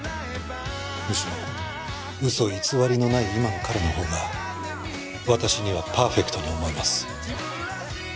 むしろ嘘偽りのない今の彼のほうが私にはパーフェクトに思えます。